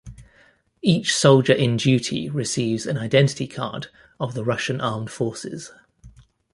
Each soldier in duty receives an Identity Card of the Russian Armed Forces.